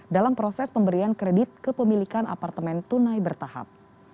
dalam proses pemberian kredit kepemilikan apartemen tunai bertahap